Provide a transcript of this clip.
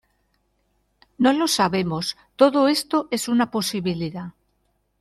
no lo sabemos. todo esto es una posibilidad